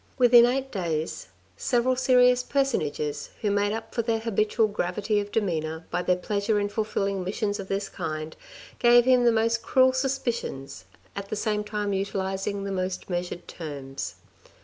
Within eight days, several serious personages who made up for their habitual gravity of demeanour by their pleasure in fulfilling missions of this kind, gave him the most cruel suspicions, at the same time utilising the most measured terms.